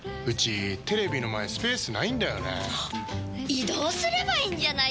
移動すればいいんじゃないですか？